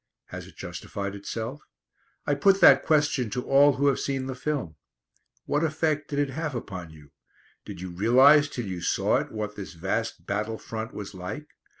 Has it justified itself? I put that question to all who have seen the film. What effect did it have upon you? Did you realise till you saw it what this vast battle front was like?